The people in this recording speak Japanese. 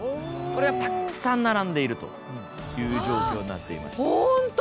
これがたくさん並んでいるという状況になっていまして。